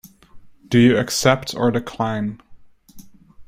Do you accept or decline?